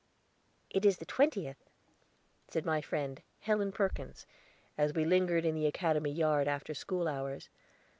"It is the twentieth," said my friend, Helen Perkins, as we lingered in the Academy yard, after school hours.